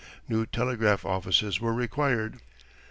New telegraph offices were required.